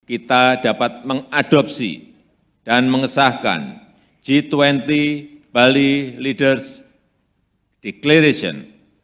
kita dapat mengadopsi dan mengesahkan g dua puluh bali leaders declaration